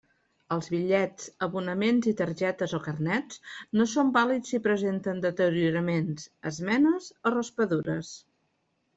Els bitllets, abonaments i targetes o carnets no són vàlids si presenten deterioraments, esmenes o raspadures.